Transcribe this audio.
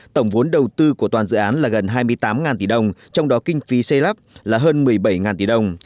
tổng vốn đầu tư của toàn dự án là gần hai mươi tám tỷ đồng trong đó kinh phí xây lắp là hơn một mươi bảy tỷ đồng